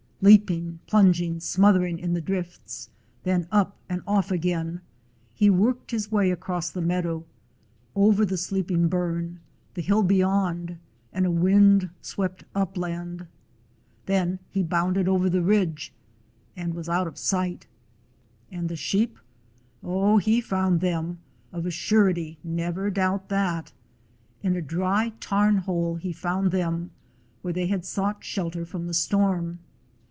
Leaping, plunging, smothering in the drifts, then up and off again, he worked his way across the meadow, over the sleeping burn, the hill beyond, and a wind swept upland. Then 137 DOG HEROES OF MANY LANDS he bounded over the ridge and was out of sight. And the sheep — oh, he found them, of a surety; never doubt that! In a dry tarn hole he found them, where they had sought shelter from the storm.